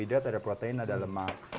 ada karbohidrat ada protein ada lemak